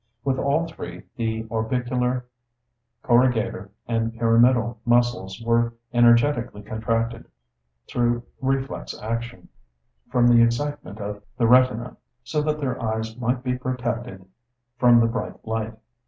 With all three, the orbicular, corrugator, and pyramidal muscles were energetically contracted, through reflex action, from the excitement of the retina, so that their eyes might be protected from the bright light.